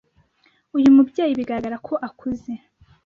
Uyu mubyeyi bigaragara ko akuze